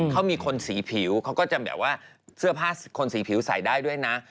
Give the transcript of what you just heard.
เขามีคนสีผิวเขาก็จะแบบว่าเสื้อผ้าคนสีผิวใส่ได้ด้วยนะ